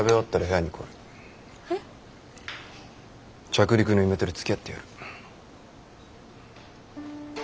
着陸のイメトレつきあってやる。